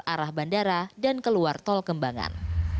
arah bandara dan keluar tol kembangan